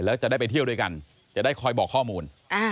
แล้วจะได้ไปเที่ยวด้วยกันจะได้คอยบอกข้อมูล